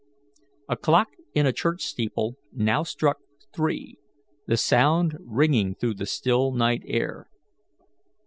'" A clock in a church steeple now struck three, the sound ringing through the still night air.